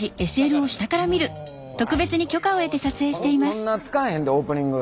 そんな使わへんでオープニング。